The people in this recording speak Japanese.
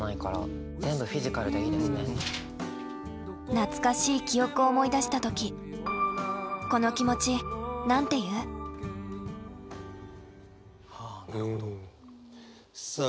懐かしい記憶を思い出した時さあ